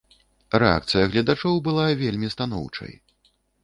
Рэакцыя гледачоў была вельмі станоўчай.